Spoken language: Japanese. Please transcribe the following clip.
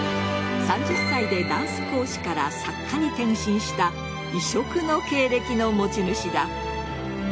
３０歳でダンス講師から作家に転身した異色の経歴の持ち主だ。